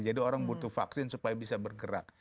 jadi orang butuh vaksin supaya bisa bergerak